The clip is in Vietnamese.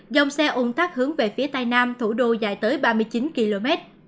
dòng xe ung tắc hướng về phía tây nam thủ đô dài tới ba mươi chín km